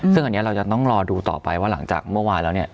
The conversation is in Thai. ซึ่งอันนี้เราจะต้องรอดูต่อไปว่าหลังจากเมื่อวานแล้วเนี่ย